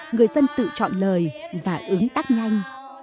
người dân tự chọn lời và ứng tác nhanh